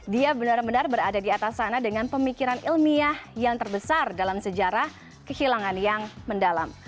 dia benar benar berada di atas sana dengan pemikiran ilmiah yang terbesar dalam sejarah kehilangan yang mendalam